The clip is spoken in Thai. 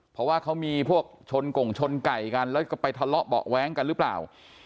เพราะว่าเขามีพวกชนกงชนไก่กันแล้วก็ไปทะเลาะเบาะแว้งกันหรือเปล่า